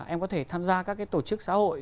em có thể tham gia các tổ chức xã hội